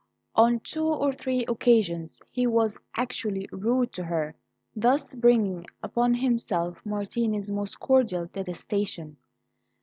On two or three occasions he was actually rude to her, thus bringing upon himself Martini's most cordial detestation.